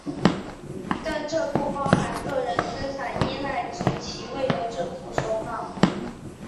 但这不包含个人资产依赖其职位的政府首脑。